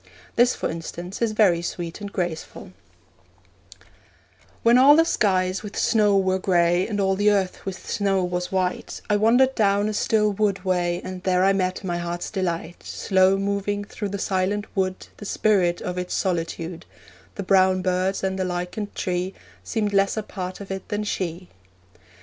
This, for instance, is very sweet and graceful: When all the skies with snow were grey, And all the earth with snow was white, I wandered down a still wood way, And there I met my heart's delight Slow moving through the silent wood, The spirit of its solitude: The brown birds and the lichened tree Seemed less a part of it than she.